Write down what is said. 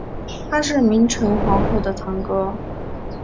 他是明成皇后的堂哥。